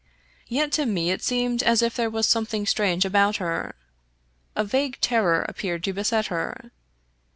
Yet to me it seemed as if there was something strange about her. A vague terror appeared to beset her.